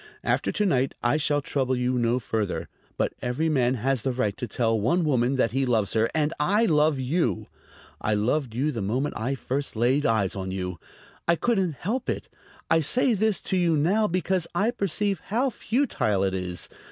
After to night I shall trouble you no further. But every man has the right to tell one woman that he loves her; and I love you. I loved you the moment I first laid eyes on you. I couldn't help it. I say this to you now because I perceive how futile it is.